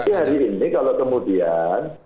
ya hari ini kalau kemudian